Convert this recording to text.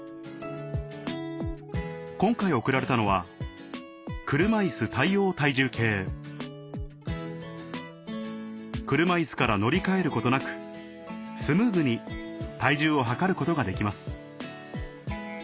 今回贈られたのは車いすから乗り換えることなくスムーズに体重を測ることができます